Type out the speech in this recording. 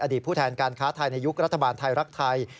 ผู้แทนการค้าไทยในยุครัฐบาลไทยรักไทย